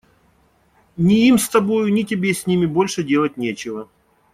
Ни им с тобою, ни тебе с ними больше делать нечего.